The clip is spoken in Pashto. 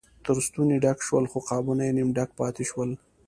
تر ستوني ډک شول خو قابونه یې نیم ډک پاتې شول.